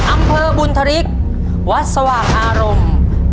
อำเภอบุญธริกวัดสว่างอารมณ์